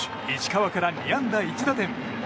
石川から２安打１打点。